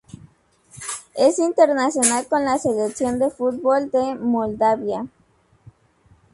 Es internacional con la selección de fútbol de Moldavia.